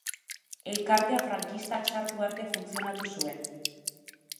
Elkartea frankistak sartu arte funtzionatu zuen.